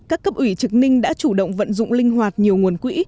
các cấp ủy trực ninh đã chủ động vận dụng linh hoạt nhiều nguồn quỹ